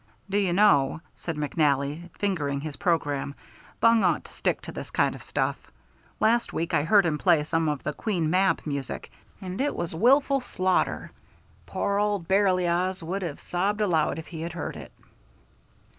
"Do you know," said McNally, fingering his programme, "Bunge ought to stick to this kind of stuff. Last week I heard him play some of the Queen Mab music, and it was wilful slaughter. Poor old Berlioz would have sobbed aloud if he had heard it."